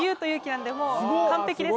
なんでもう完璧です